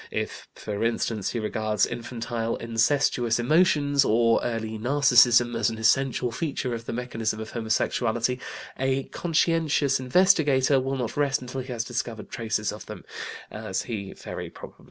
If, for instance, he regards infantile incestuous emotions or early Narcissism as an essential feature of the mechanism of homosexuality, a conscientious investigator will not rest until he has discovered traces of them, as he very probably will.